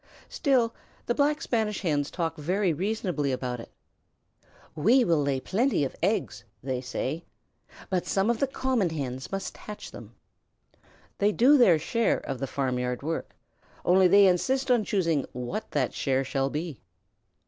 Still, the Black Spanish Hens talk very reasonably about it. "We will lay plenty of eggs," they say, "but some of the common Hens must hatch them." They do their share of the farmyard work, only they insist on choosing what that share shall be.